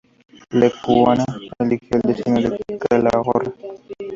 Lekuona eligió el destino de Calahorra.